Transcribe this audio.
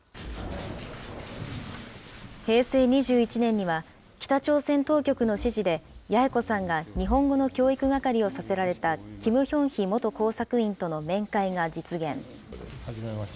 平成２１年には、北朝鮮当局の指示で、八重子さんが日本語の教育係をさせられたキム・ヒョンヒ元工作員との面会が実現。